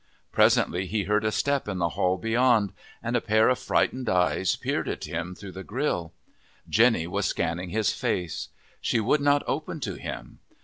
Presently he heard a footstep in the hall beyond, and a pair of frightened eyes peered at him through the grill. Jenny was scanning his face. She would not open to him.